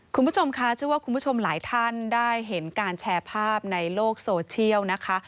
คุณผู้ชมค่ะเชื่อว่าคุณผู้ชมหลายท่านได้เห็นการแชร์ภาพในโลกโซเชียลนะคะ